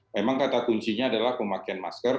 memang kata kuncinya adalah pemakaian masker